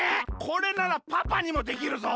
これならパパにもできるぞ！